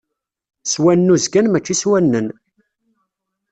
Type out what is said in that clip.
S wannuz kan mačči s wannen!